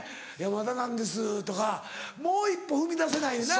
「まだなんです」とかもう一歩踏み出せないねんな。